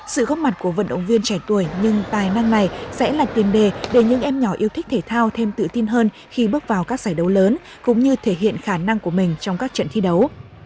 sự góp mặt của vận động viên trẻ tuổi nhưng tài năng này sẽ là tiền đề để những em nhỏ yêu thích thể thao thêm tự tin hơn khi bước vào các giải đấu lớn cũng như thể hiện khả năng của mình trong các trận thi đấu